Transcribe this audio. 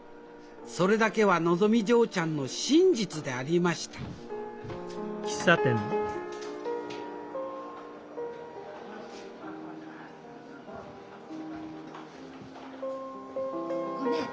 それだけはのぞみ嬢ちゃんの真実でありましたごめん。